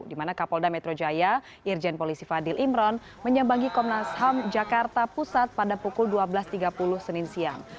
di mana kapolda metro jaya irjen polisi fadil imron menyambangi komnas ham jakarta pusat pada pukul dua belas tiga puluh senin siang